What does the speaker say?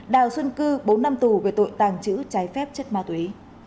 đào xuân cư bốn năm tù về tội tàng trữ trái phép chất ma túy